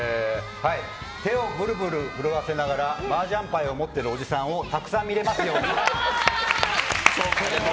手をぶるぶる震わせながらマージャン牌を持っているおじさんをたくさん見れますように。